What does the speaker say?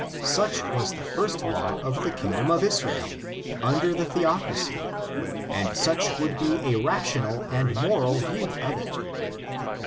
Such was the first law of the kingdom of Israel, under the theocracy, and such would be a rational and moral view of it.